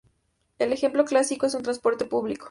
El ejemplo clásico es el transporte público.